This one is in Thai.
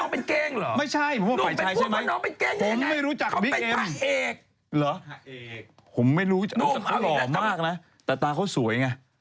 ผมไม่รู้น้องหล่อมากนะแต่ตาเขาสวยไง